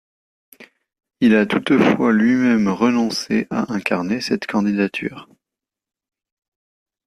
Il a toutefois lui-même renoncé à incarner cette candidature.